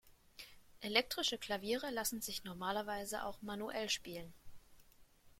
Elektrische Klaviere lassen sich normalerweise auch manuell spielen.